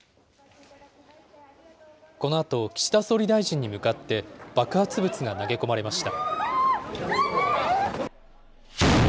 このあと、岸田総理大臣に向かって、爆発物が投げ込まれました。